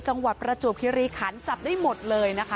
ประจวบคิริขันจับได้หมดเลยนะคะ